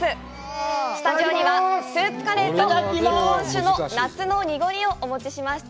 スタジオにはスープカレーと日本酒の夏のにごりをお持ちしました。